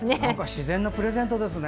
自然のプレゼントですね。